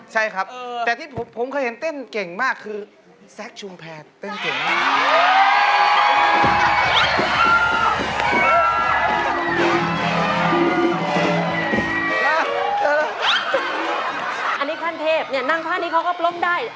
จิงจิงปอนจิงจิงจิงจิงปอนจิงนิ่งจิงปะเวยงยังก็ได้